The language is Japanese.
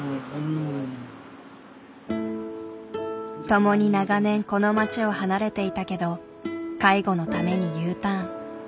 共に長年この町を離れていたけど介護のためにＵターン。